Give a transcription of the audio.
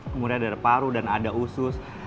kemudian ada paru dan ada usus